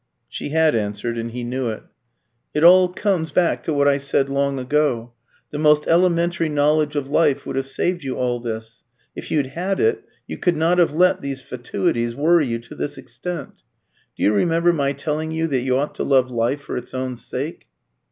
(She had answered, and he knew it.) "It all comes back to what I said long ago. The most elementary knowledge of life would have saved you all this: if you'd had it, you could not have let these fatuities worry you to this extent. Do you remember my telling you that you ought to love life for its own sake?"